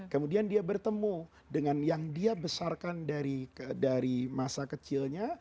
kemudian dia bertemu dengan yang dia besarkan dari masa kecilnya